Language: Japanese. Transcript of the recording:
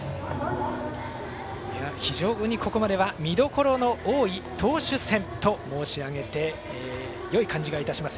非常にここまでは見どころの多い投手戦と申し上げてよい感じがいたします。